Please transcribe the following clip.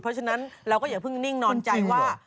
เพราะฉะนั้นเราก็อย่าเพิ่งนิ่งนอนใจว่า